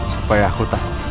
supaya aku tak